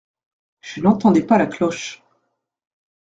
Je n’entendais pas la cloche.